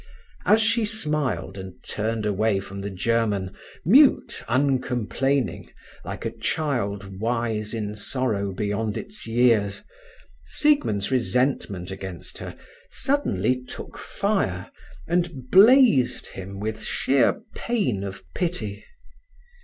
As she smiled and turned away from the German, mute, uncomplaining, like a child wise in sorrow beyond its years, Siegmund's resentment against her suddenly took fire, and blazed him with sheer pain of pity.